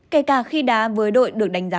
kể cả khi đá với đội được đánh giá